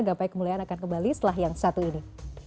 gapai kemuliaan akan kembali setelah yang satu ini